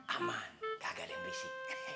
aman kagak ada yang berisi